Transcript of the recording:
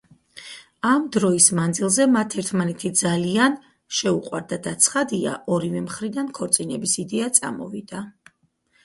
ამ დროის მანძილზე, მათ ერთმანეთი ძალიან შეუყვარდათ და ცხადია ორივე მხრიდან ქორწინების იდეა წამოვიდა.